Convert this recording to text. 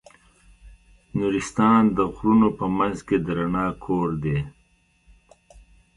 نورستان د غرونو په منځ کې د رڼا کور دی.